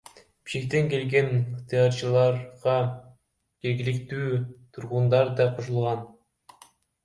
Бишкектен келген ыктыярчыларга жергиликтүү тургундар да кошулган.